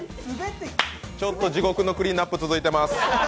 ちょっと地獄のクリーンアップ続いています。